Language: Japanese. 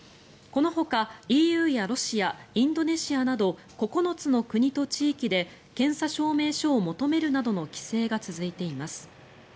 このほかＥＵやロシアインドネシアなど９つの国と地域で検査証明書を求めるなどの規制が続いています。